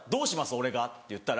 俺が」。って言ったら。